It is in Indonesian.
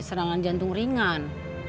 serangan jantung ringan